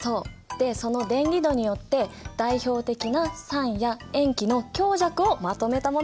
でその電離度によって代表的な酸や塩基の強弱をまとめたものがこれ！